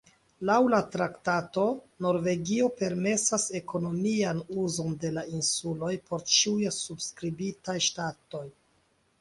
Laŭ la traktato, Norvegio permesas ekonomian uzon de la insuloj por ĉiuj subskribitaj ŝtatoj.